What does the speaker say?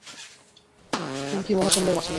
হুমকি মহাশূন্যের মাঝে নেই।